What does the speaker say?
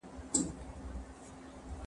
که خلک ونې وکري، هوا به پاکه شي.